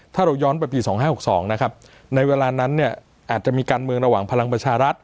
ถ้าเราย้อนไปปี๒๕๖๒นะครับในเวลานั้นเนี่ยอาจจะมีการเมืองระหว่างพลังประชารัฐ